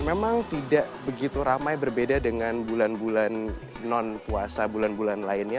memang tidak begitu ramai berbeda dengan bulan bulan non puasa bulan bulan lainnya